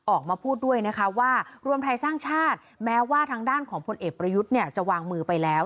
ออกมาพูดด้วยนะคะว่ารวมไทยสร้างชาติแม้ว่าทางด้านของพลเอกประยุทธ์เนี่ยจะวางมือไปแล้ว